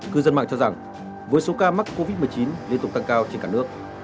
cư dân mạng cho rằng với số ca mắc covid một mươi chín liên tục tăng cao trên cả nước